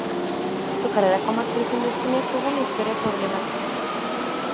Su carrera como actriz en el cine tuvo una historia problemática.